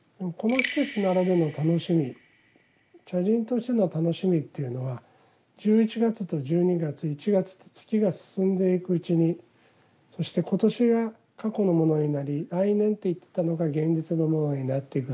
茶人としての楽しみというのは１１月と１２月１月と月が進んでいくうちにそして今年が過去のものになり来年と言ってたのが現実のものになっていく。